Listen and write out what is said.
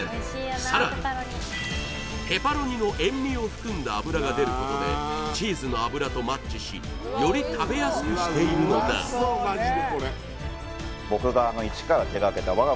さらにペパロニの塩味を含んだ脂が出ることでチーズの脂とマッチしより食べやすくしているのだ果たして？